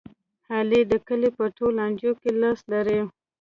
علي د کلي په ټول لانجو کې لاس لري.